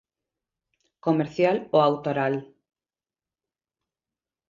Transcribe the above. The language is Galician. Comercial ou autoral.